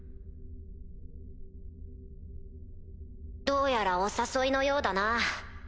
どうやらお誘いのようだな。